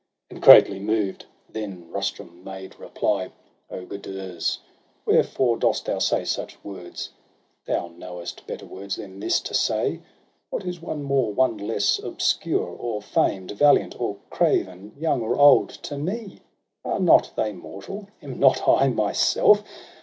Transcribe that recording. And, greatly moved, then Rustum made reply: —' O Gudurz, wherefore dost thou say such words ? Thou knowest better words than this to say. What is one more, one less, obscure or famed, Valiant or craven, young or old, to me? Are not they mortal, am not I myself?